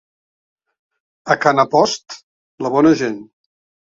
A Canapost, la bona gent.